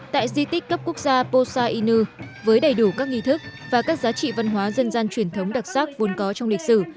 tại di tích cấp quốc gia posa inu với đầy đủ các nghi thức và các giá trị văn hóa dân gian truyền thống đặc sắc vốn có trong lịch sử